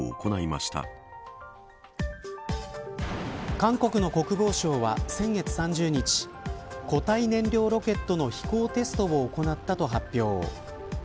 韓国の国防省は、先月３０日固体燃料ロケットの飛行テストを行ったと発表。